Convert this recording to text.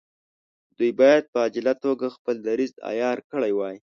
دوی باید په عاجله توګه خپل دریځ عیار کړی وای.